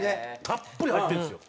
たっぷり入ってるんですよ。